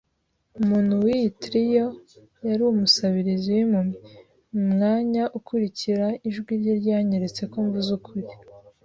umuntu wiyi trio yari umusabirizi wimpumyi. Mu mwanya ukurikira ijwi rye ryanyeretse ko mvuze ukuri.